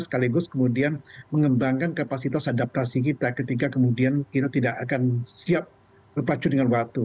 sekaligus kemudian mengembangkan kapasitas adaptasi kita ketika kemudian kita tidak akan siap pacu dengan waktu